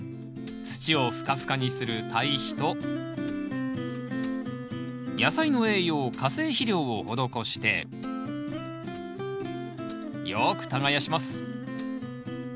土をふかふかにする堆肥と野菜の栄養化成肥料を施してよく耕します。